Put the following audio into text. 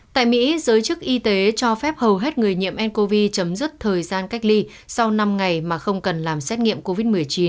tại mỹ giới chức y tế cho phép hầu hết người nhiễm ncov chấm dứt thời gian cách ly sau năm ngày mà không cần làm xét nghiệm covid một mươi chín